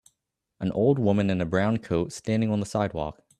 An old women in a brown coat standing on the sidewalk